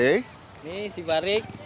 ini si barik